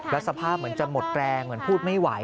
แล้วสภาพเหมือนจะหมดแรงเหมือนพูดไม่ไหว